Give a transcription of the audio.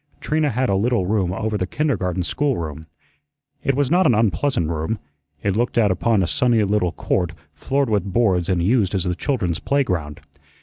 Trina had a little room over the kindergarten schoolroom. It was not an unpleasant room. It looked out upon a sunny little court floored with boards and used as the children's playground.